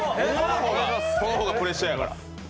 その方がプレッシャーだから。